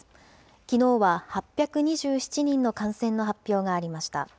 きのうは８２７人の感染の発表がありました。